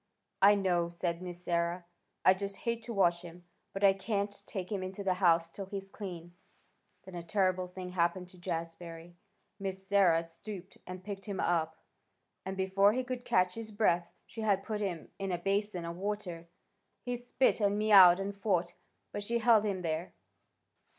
"I know," said Miss Sarah. "I just hate to wash him, but I can't take him into the house till he's clean." Then a terrible thing happened to Jazbury. Miss Sarah stooped and picked him up, and before he could catch his breath she had put him in a basin of water. He spit and mewed and fought, but she held him there.